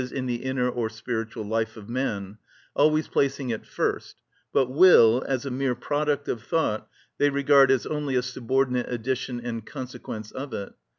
_, in the inner or spiritual life of man, always placing it first, but will, as a mere product of thought, they regard as only a subordinate addition and consequence of it.